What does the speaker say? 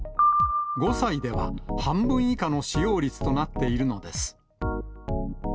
５歳では半分以下の使用率となっているのです。